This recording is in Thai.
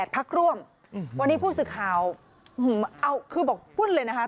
พักร่วมวันนี้ผู้สื่อข่าวเอาคือบอกปุ้นเลยนะคะ